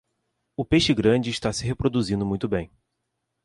O peixe grande está se reproduzindo muito bem.